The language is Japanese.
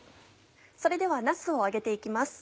それではなすを揚げて行きます。